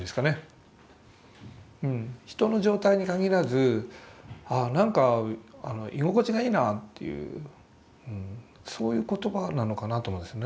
人の状態に限らずああなんか居心地がいいなというそういう言葉なのかなと思うんです。